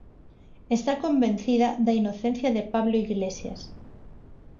Está convencida da inocencia de Pablo Iglesias.